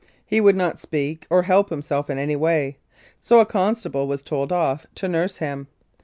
He would not speak or help himself in any way, so a con stable was told off to nurse him.